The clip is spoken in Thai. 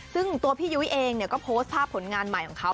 ซึ่งตัวพี่ยุ้ยเองก็โพสต์ภาพผลงานใหม่ของเขา